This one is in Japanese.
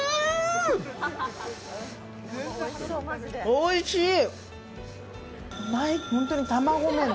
おいしい。